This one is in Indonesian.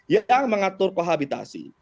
yang mengatur kohabitasi